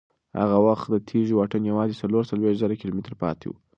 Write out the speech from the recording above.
هغه وخت د تېږې واټن یوازې څلور څلوېښت زره کیلومتره پاتې و.